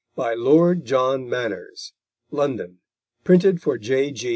_By Lord John Manners. London: printed for J.